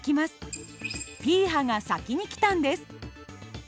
Ｐ波が先に来たんです。